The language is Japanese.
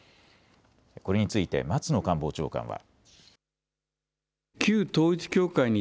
これについて松野官房長官は。